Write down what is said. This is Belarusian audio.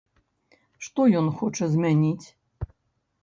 Што ён хоча змяніць?